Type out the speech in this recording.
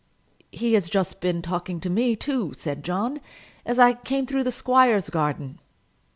"He has just been talking to me, too," said John, "as I came through the squire's garden."